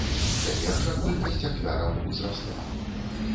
Цяпер жа колькасць ахвяраў узрасла.